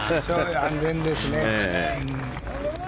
安全ですね。